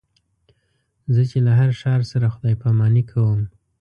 زه چې له هر ښار سره خدای پاماني کوم.